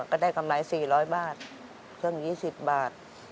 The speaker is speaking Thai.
ก็ได้กำไร๔๐๐บาทเครื่อง๒๐บาท